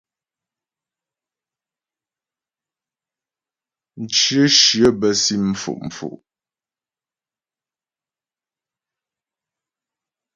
Mcyə shyə bə́ si mfo'fo'.